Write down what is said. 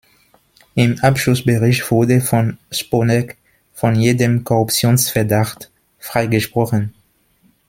Im Abschlussbericht wurde von Sponeck von jedem Korruptionsverdacht freigesprochen.